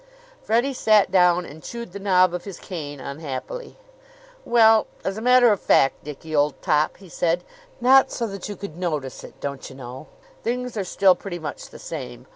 Freddie sat down and chewed the knob of his cane unhappily. "Well, as a matter of fact, Dickie, old top," he said, "not so that you could notice it, don't you know! Things are still pretty much the same.